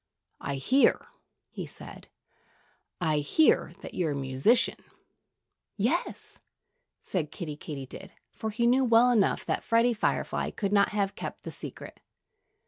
I hear " he said "I hear that you're a musician." "Yes!" said Kiddie Katydid for he knew well enough that Freddie Firefly could not have kept the secret.